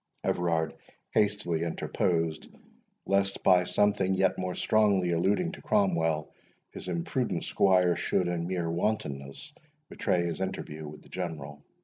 Everard hastily interposed, lest by something yet more strongly alluding to Cromwell, his imprudent squire should, in mere wantonness, betray his interview with the General.